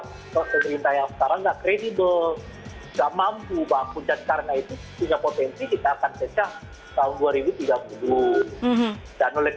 kalau pemerintah yang sekarang nggak kredibel nggak mampu dan karena itu punya potensi kita akan pecah tahun dua ribu tiga puluh